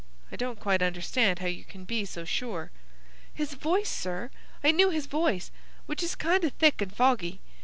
I don't quite understand how you can be so sure." "His voice, sir. I knew his voice, which is kind o' thick and foggy.